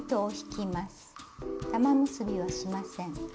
玉結びはしません。